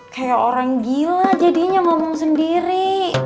kayak orang gila jadinya ngomong sendiri